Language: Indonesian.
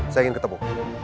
saya ingin ketemu